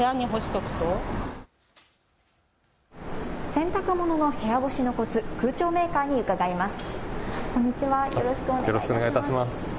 洗濯物の部屋干しのコツ、空調メーカーに伺います。